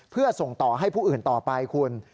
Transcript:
เพื่อส่งต่อให้ผู้อื่นต่อไปคุณ